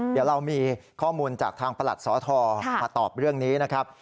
เดี๋ยวเรามีข้อมูลจากทางประหลัดสทมาตอบเรื่องนี้นะครับ